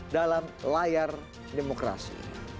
dalam layar demokrasi